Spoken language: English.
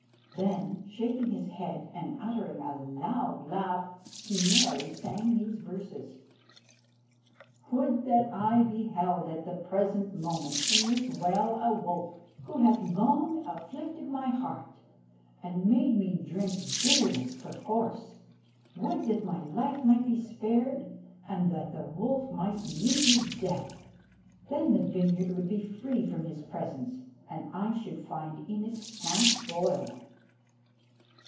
Then, shaking his head, and uttering a loud laugh, he merrily sang these verses "Would that I beheld at the present moment in this well a wolf, Who hath long afflicted my heart, and made me drink bitterness perforce! Would that my life might be spared, and that the wolf might meet his death! Then the vineyard would be free from his presence, and I should find in it my spoil."